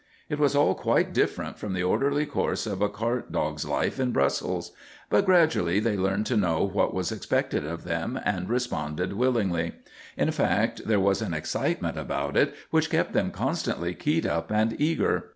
It was all quite different from the orderly course of a cart dog's life in Brussels. But gradually they learned to know what was expected of them and responded willingly. In fact, there was an excitement about it which kept them constantly keyed up and eager.